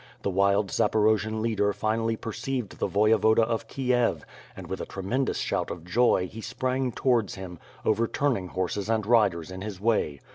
The wild Zaporojian leader finally perceived the Voyevoda of Kiev, and, with a tremendous shout of joy, he sprang towards him, overturning horses and riders in his way.